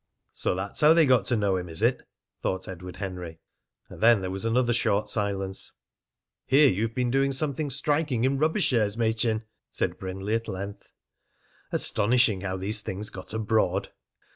"So that's how they got to know him, is it?" thought Edward Henry. And then there was another short silence. "Hear you've been doing something striking in rubber shares, Machin?" said Brindley at length. Astonishing how these things got abroad!